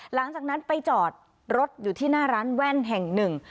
หลังจากนั้นไปจอดรถอยู่ที่หน้าร้านแว่นแห่งหนึ่ง